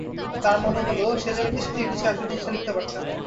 তার মনে হলো, সে যেন কিছুতেই গুছিয়ে আসল জিনিসটি লিখতে পারছে না।